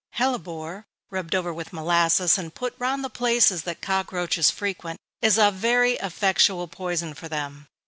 _ Hellebore, rubbed over with molasses, and put round the places that cockroaches frequent, is a very effectual poison for them.